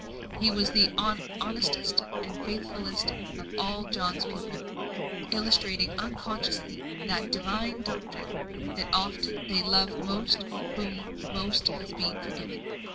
He was the honestest and faithfulest of all John's people illustrating unconsciously that Divine doctrine, that often they love most to whom most has been forgiven.